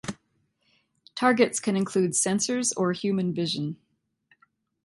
Targets can include sensors or human vision.